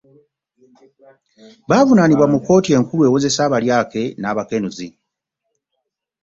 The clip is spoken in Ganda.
Baavunaanibwa mu kkooti enkulu ewozesa abalyake n'abakenuzi